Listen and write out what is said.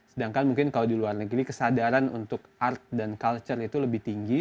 sedangkan mungkin kalau di luar negeri kesadaran untuk art dan culture itu lebih tinggi